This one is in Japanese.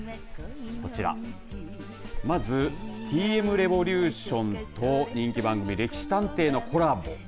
こちらまずＴ．Ｍ．Ｒｅｖｏｌｕｔｉｏｎと人気番組、歴史探偵のコラボ。